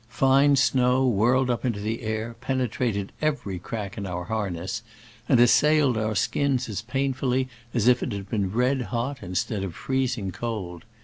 Fine snow, whirled up into the air, penetrated every crack in our harness, and assailed our skins as painfully as if it had been red hot instead of freezing cold.